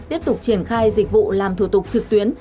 tiếp tục triển khai dịch vụ làm thủ tục trực tuyến